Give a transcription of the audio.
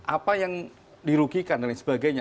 apa yang dirugikan dan lain sebagainya